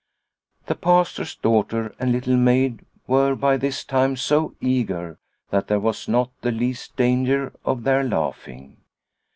The Pastor's daughter and Little Maid were by this time so eager that there was not the least danger of their laughing.